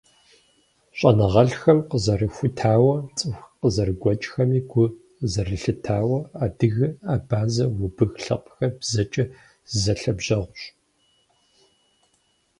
Щӏэныгъэлӏхэм къызэрахутауэ, цӏыху къызэрыгуэкӏхэми гу зэрылъатауэ, адыгэ, абазэ, убых лъэпкъхэр бзэкӏэ зэлъэбжьэгъущ.